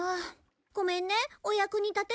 ごめんねお役に立てなくて。